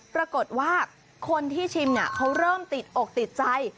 ปรากฏว่าคนที่ชิมเขาเริ่มติดอกติดใจ